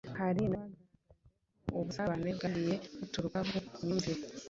Hari n’abagaragaje ko ubusumbane bwagiye buturuka ku myumvire